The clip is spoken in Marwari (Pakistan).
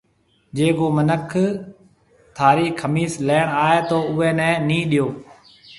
جيَ ڪو مِنک ٿارِي کمِيس ليڻ آئي تو اُوئي نَي نِي ڏيو۔